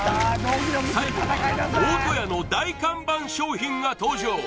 最後は大戸屋の大看板商品が登場